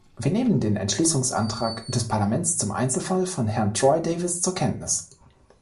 Wir nehmen den Entschließungsantrag des Parlaments zum Einzelfall von Herrn Troy Davis zur Kenntnis.